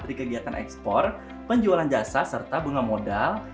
dari kegiatan ekspor penjualan jasa serta bunga modal